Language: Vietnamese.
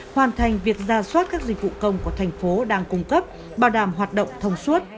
hoàn thành việc ra soát các dịch vụ công của thành phố đang cung cấp bảo đảm hoạt động thông suốt